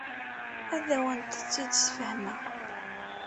Ad awent-tt-id-sfehmeɣ.